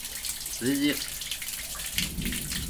رزِقق